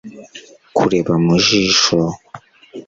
kureba mu jisho